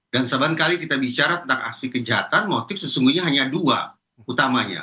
dan setiap kali kita bicara tentang aksi kejahatan motif sesungguhnya hanya dua utamanya